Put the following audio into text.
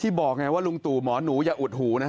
บอกไงว่าลุงตู่หมอหนูอย่าอุดหูนะฮะ